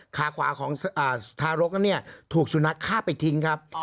ขาขวาของทารกนั้นเนี่ยถูกสุนัขฆ่าไปทิ้งครับ